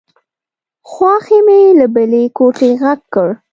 خواښې مې له بلې کوټې غږ کړ.